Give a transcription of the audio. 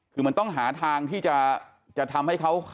คือมันต้องหาทางที่จะทำให้เขา